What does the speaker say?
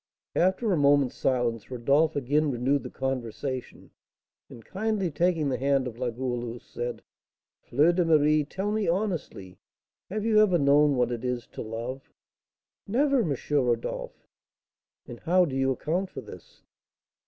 After a moment's silence, Rodolph again renewed the conversation, and, kindly taking the hand of La Goualeuse, said, "Fleur de Marie, tell me honestly, have you ever known what it is to love?" "Never, M. Rodolph." "And how do you account for this?"